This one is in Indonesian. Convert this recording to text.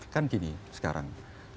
kan gini sekarang